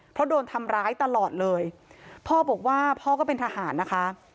เพราะโดนทำร้ายตลอดเลยพ่อบอกว่าพ่อก็เป็นทหารนะคะ